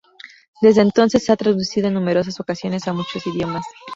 Desde entonces se ha traducido en numerosas ocasiones a muchos idiomas.